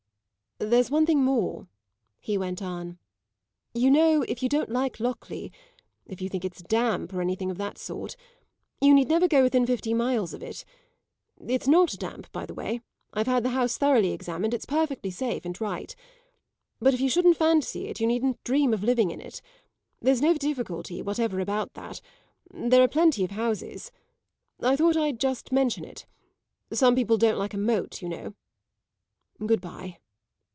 "There's one thing more," he went on. "You know, if you don't like Lockleigh if you think it's damp or anything of that sort you need never go within fifty miles of it. It's not damp, by the way; I've had the house thoroughly examined; it's perfectly safe and right. But if you shouldn't fancy it you needn't dream of living in it. There's no difficulty whatever about that; there are plenty of houses. I thought I'd just mention it; some people don't like a moat, you know. Good bye."